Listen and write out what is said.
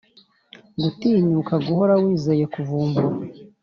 gutinyuka guhora wizeye kuvumbura